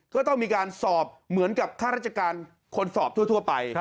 ก็ต้องมีการสอบเหมือนกับข้าราชการคนสอบทั่วไป